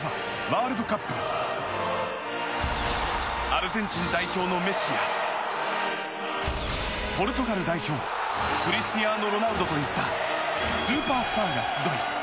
アルゼンチン代表のメッシやポルトガル代表クリスティアーノ・ロナウドといったスーパースターが集い